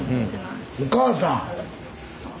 お母さん！